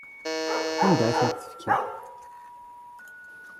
Anda i tent-tefkiḍ?